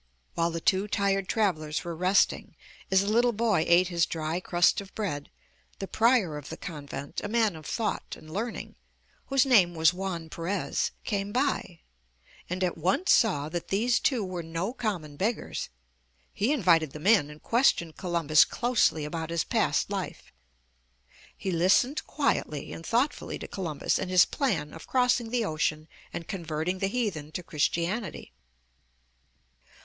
While the two tired travellers were resting, as the little boy ate his dry crust of bread, the prior of the convent, a man of thought and learning, whose name was Juan Perez, came by, and at once saw that these two were no common beggars. He invited them in and questioned Columbus closely about his past life. He listened quietly and thoughtfully to Columbus and his plan of crossing the ocean and converting the heathen to Christianity.